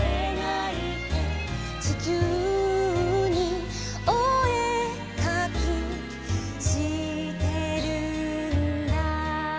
「ちきゅうにおえかきしてるんだ」